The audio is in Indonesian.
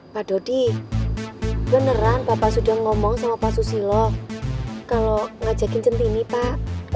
pak dodi beneran bapak sudah ngomong sama pak susilo kalau ngajakin centini pak